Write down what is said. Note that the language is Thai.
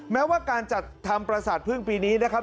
แม้ว่าการจัดทำประสาทพึ่งปีนี้นะครับ